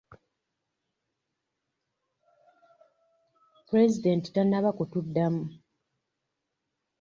Pulezidenti tanaba kutuddamu.